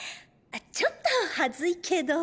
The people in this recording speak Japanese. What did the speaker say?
ちょっと恥ずいけど。